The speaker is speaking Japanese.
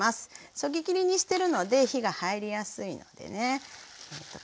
そぎ切りにしてるので火が入りやすいのでね。